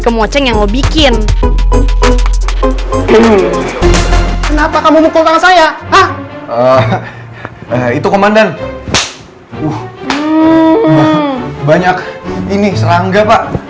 kemoceng yang bikin kenapa kamu bukul tangan saya itu komandan banyak ini serangga pak